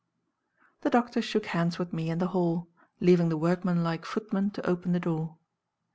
The doctor shook hands with me in the hall, leaving the workman like footman to open the door.